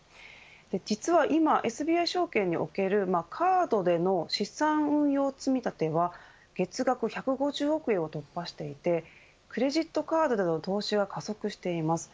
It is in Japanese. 実は今ＳＢＩ証券における、カードでの資産運用積み立ては月額１５０億円を突破していてクレジットカードでの投資が加速しています。